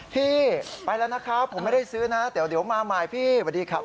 พี่ไปแล้วนะครับผมไม่ได้ซื้อนะเดี๋ยวมาใหม่พี่สวัสดีครับ